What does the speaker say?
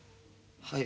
はい。